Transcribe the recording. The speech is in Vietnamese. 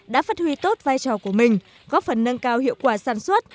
đã phát huy tốt vai trò của mình góp phần nâng cao hiệu quả sản xuất